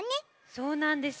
そうなんです。